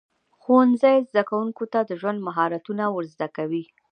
ښوونځی زده کوونکو ته د ژوند مهارتونه ورزده کوي.